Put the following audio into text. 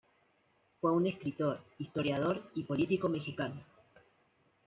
Fue un escritor, historiador y político mexicano.